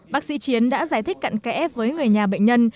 bác sĩ chiến đã giải thích cận kẽ với người nhà bệnh nhân